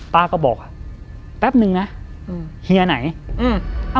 ป้าก็บอกอ่ะแป๊บนึงนะอืมเฮียไหนอืม